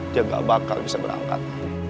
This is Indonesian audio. dia ga bakal bisa berangkat